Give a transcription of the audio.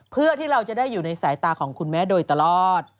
เพื่อที่เราจะได้อยู่ในสายตาของคุณแม่โดยตลอด